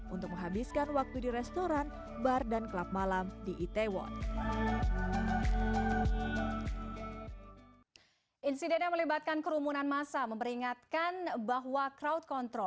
untuk menghabiskan waktu di restoran bar dan klub malam di itaewon